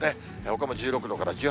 ほかも１６度から１８度。